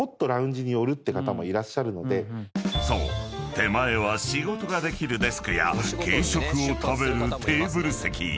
手前は仕事ができるデスクや軽食を食べるテーブル席］